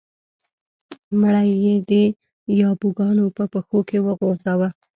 مړی یې د یابو ګانو په پښو کې وغورځاوه.